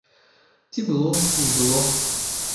Ці было, ці не было.